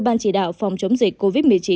ban chỉ đạo phòng chống dịch covid một mươi chín